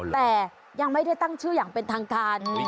แต่ยังไม่ได้ตั้งชื่ออย่างเป็นทางการ